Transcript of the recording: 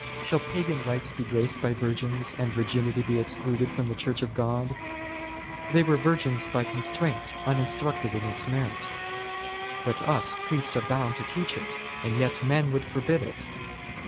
Shall pagan rites be graced by virgins, and virginity be excluded from the Church of God ? They were virgins by constraint, uninstructed in its merit ; with us priests are bound to teach it, and yet men would forbid it